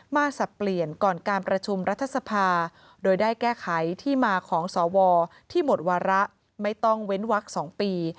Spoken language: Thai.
สับเปลี่ยนก่อนการประชุมรัฐสภาโดยได้แก้ไขที่มาของสวที่หมดวาระไม่ต้องเว้นวัก๒ปี